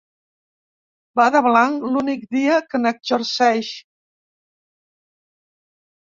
Va de blanc l'únic dia que n'exerceix.